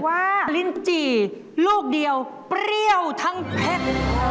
ลิ้นจี่ลูกเดียวเปรี้ยวทั้งเพชร